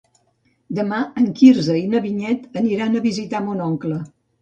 Demà en Quirze i na Vinyet aniran a visitar mon oncle.